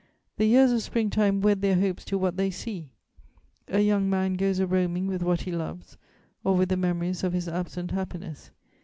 The years of spring time wed their hopes to what they see; a young man goes a roaming with what he loves, or with the memories of his absent happiness.